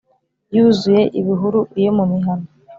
yuzuye ibihuru iyo mu mihana.